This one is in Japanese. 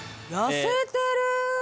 痩せてる！